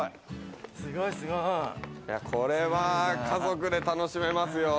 これは家族で楽しめますよ。